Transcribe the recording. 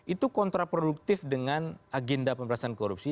itu kontraproduktif dengan agenda pemberantasan korupsi